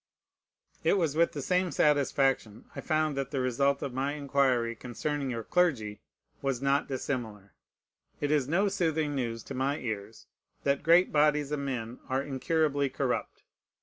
It was with the same satisfaction I found that the result of my inquiry concerning your clergy was not dissimilar. It is no soothing news to my ears, that great bodies of men are incurably corrupt.